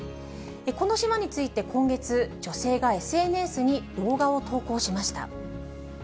この島について今月、女性がＳＮＳに動画を投稿しました。